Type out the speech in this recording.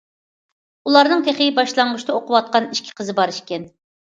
ئۇلارنىڭ تېخى باشلانغۇچتا ئوقۇۋاتقان ئىككى قىزى بار ئىكەن.